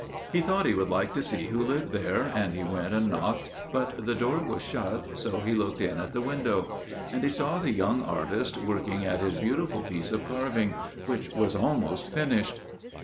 He thought he would like to see who lived there, and he went and knocked, but the door was shut, so he looked in at the window. And he saw the young artist working at his beautiful piece of carving, which was almost finished.